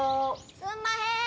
・すんまへん！